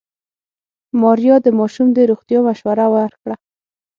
ماريا د ماشوم د روغتيا مشوره ورکړه.